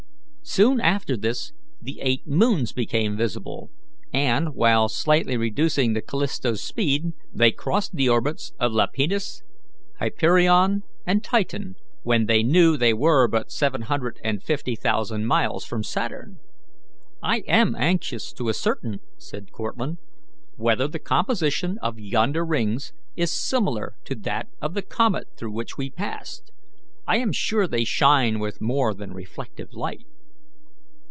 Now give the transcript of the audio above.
Soon after this the eight moons became visible, and, while slightly reducing the Callisto's speed, they crossed the orbits of Iapetus, Hyperion, and Titan, when they knew they were but seven hundred and fifty thousand miles from Saturn. "I am anxious to ascertain," said Cortlandt, "whether the composition of yonder rings is similar to that of the comet through which we passed. I am sure they shine with more than reflected light."